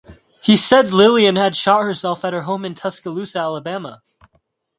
He said Lillian had shot herself at her home in Tuscaloosa, Alabama.